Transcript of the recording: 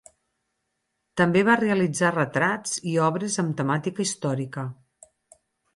També va realitzar retrats i obres amb temàtica històrica.